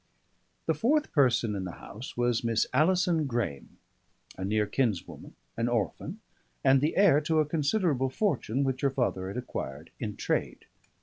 The fourth person in the house was Miss Alison Graeme, a near kinswoman, an orphan, and the heir to a considerable fortune which her father had acquired in trade.